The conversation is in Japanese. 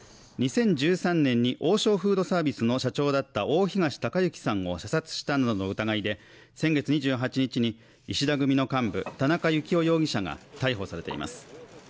２０１３年に王将フードサービスの社長だった大東隆行さんを射殺したなどの疑いで先月２８日に石田組の幹部田中幸雄容疑者が逮捕されています